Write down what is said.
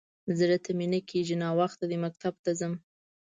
_زړه ته مې نه کېږي. ناوخته دی، مکتب ته ځم.